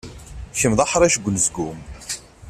Kemm d aḥric seg unezgum.